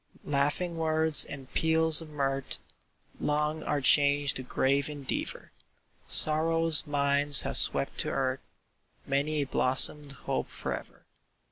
"Laughing words and peals of mirth, Long are changed to grave endeavor; Sorrow's winds have swept to earth Many a blossomed hope forever.